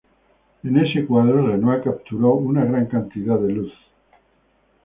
En este cuadro Renoir capturó una gran cantidad de luz.